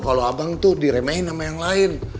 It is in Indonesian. kalau abang tuh diremehin sama yang lain